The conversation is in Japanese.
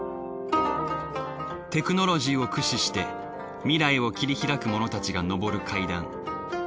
テクノロジーを駆使して未来を切り拓く者たちが昇る階段。